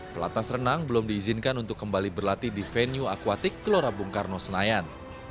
pelatnas renang belum diizinkan untuk kembali berlatih di venue akuatik gelora bung karno senayan